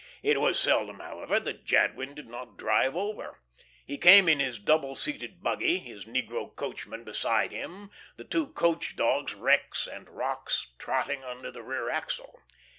It was seldom, however, that Jadwin did not drive over. He came in his double seated buggy, his negro coachman beside him the two coach dogs, "Rex" and "Rox," trotting under the rear axle.